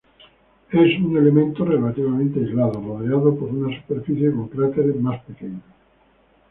Es un elemento relativamente aislado, rodeado por una superficie con cráteres más pequeños.